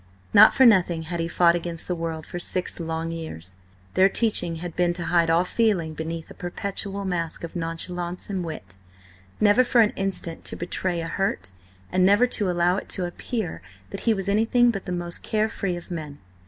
Not for nothing had he fought against the world for six long years. Their teaching had been to hide all feeling beneath a perpetual mask of nonchalance and wit; never for an instance to betray a hurt, and never to allow it to appear that he was anything but the most care free of men.